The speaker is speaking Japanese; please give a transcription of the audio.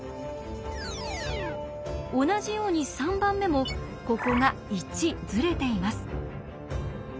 同じように３番目もここが１ずれています。